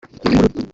ingurube